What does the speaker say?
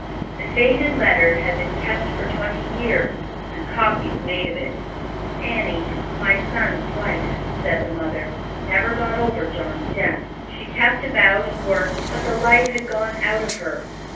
The faded letter had been kept for twenty years, and copies made of it. "Annie, my son's wife," said the mother, "never got over John's death. She kept about and worked, but the life had gone out of her.